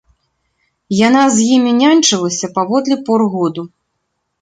Яна з імі няньчылася паводле пор году.